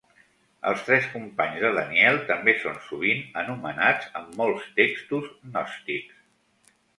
Els tres companys de Daniel també són sovint anomenats en molts textos gnòstics.